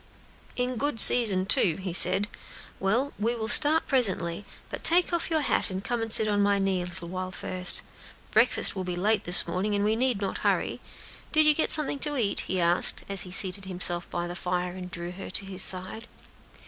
"In good season, too," he said. "Well, we will start presently; but take off your hat and come and sit on my knee a little while first; breakfast will be late this morning, and we need not hurry. Did you get something to eat?" he asked, as he seated himself by the fire and drew her to his side.